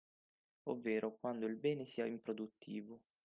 Ovvero quando il bene sia improduttivo